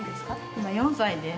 今４歳です。